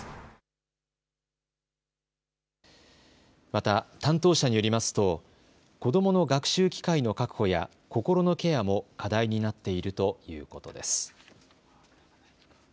また担当者によりますと子どもの学習機会の確保や心のケアも課題になっているということです。